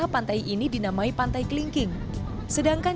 sebelum itu kami akan mencarikan